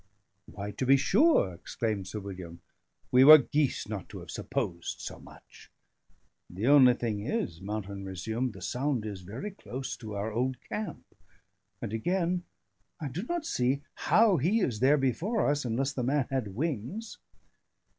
"Why, to be sure!" exclaimed Sir William. "We were geese not to have supposed so much." "The only thing is," Mountain resumed, "the sound is very close to our old camp. And, again, I do not see how he is there before us, unless the man had wings!"